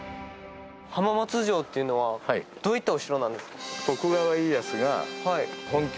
浜松城っていうのはどういったお城なんですか？